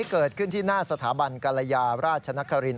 เกิดขึ้นที่หน้าสถาบันกรยาราชนคริน